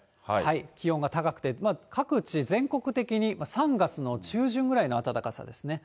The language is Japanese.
気温が高くて、各地全国的に、３月の中旬ぐらいの暖かさですね。